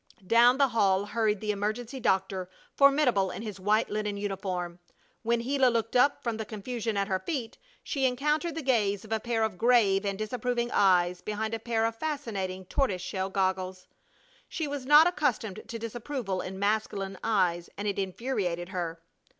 Down the hall hurried the emergency doctor, formidable in his white linen uniform. When Gila looked up from the confusion at her feet she encountered the gaze of a pair of grave and disapproving eyes behind a pair of fascinating tortoise shell goggles. She was not accustomed to disapproval in masculine eyes and it infuriated her.